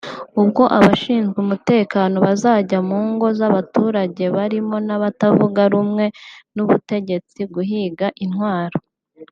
ubwo abashinzwe umutekano bazajya mu ngo z’abaturage barimo n’abatavuga rumwe n’ubutegetsi guhiga intwaro